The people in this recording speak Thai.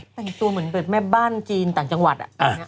แต่งตัวเหมือนแบบแม่บ้านจีนต่างจังหวัด